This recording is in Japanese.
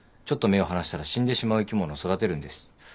ちょっと目を離したら死んでしまう生き物を育てるんです。